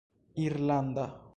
irlanda